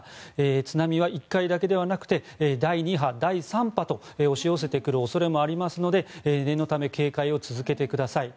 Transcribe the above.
津波は１回だけではなくて第２波、第３波と押し寄せてくる可能性もありますので念のため警戒を続けてください。